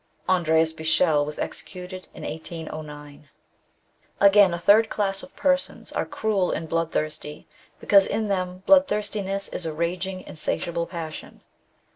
Andreas Bichel was executed in 1809.* Again, a third class of persons are cruel and blood thirsty, because in them bloodthirstiness is a raging insatiable passion.